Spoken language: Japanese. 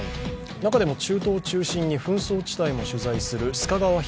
中でも中東を中心に紛争地帯を取材する須賀川拓